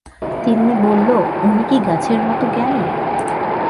তিন্নি বলল, উনি কি গাছের মতো জ্ঞানী?